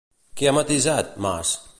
Què ha matisat, Mas?